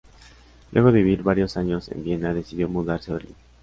Luego de vivir varios años en Viena decidió mudarse a Berlín.